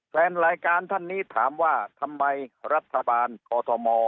แฟนรายการท่านนี้ถามว่าทำไมรัฐบาลกอทม